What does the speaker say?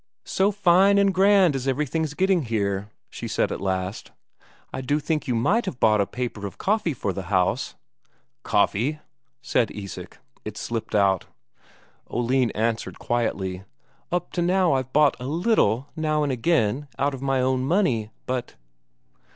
"So fine and grand as everything's getting here," she said at last. "I do think you might have bought a paper of coffee for the house." "Coffee?" said Isak. It slipped out. Oline answered quietly: "Up to now I've bought a little now and again out of my own money, but...."